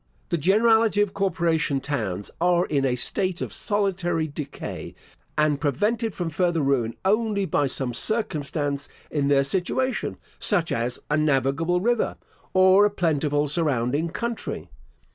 The generality of corporation towns are in a state of solitary decay, and prevented from further ruin only by some circumstance in their situation, such as a navigable river, or a plentiful surrounding country.